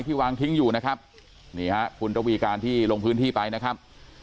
วางทิ้งอยู่นะครับนี่ฮะคุณระวีการที่ลงพื้นที่ไปนะครับ